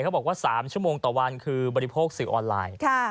บอกว่า๓ชั่วโมงต่อวันคือบริโภคสื่อออนไลน์